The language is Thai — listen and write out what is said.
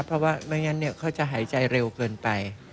เพราะว่าไม่งั้นเขาจะหายใจเร็วเกินไป